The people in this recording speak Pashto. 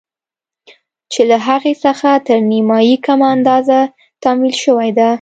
چې له هغې څخه تر نيمايي کمه اندازه تمويل شوې ده.